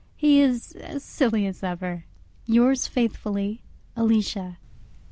He is as silly as ever. Yours faithfully, ALICIA.